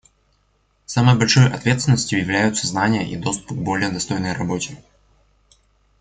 Самой большой ответственностью являются знания и доступ к более достойной работе.